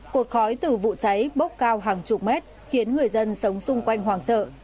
cột khói từ vụ cháy bốc cao hàng chục mét khiến người dân sống xung quanh hoàng sợ